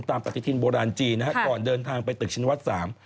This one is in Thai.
ตามประติธินโบราณจีนก่อนเดินทางไปตึกชินวัฒน์๓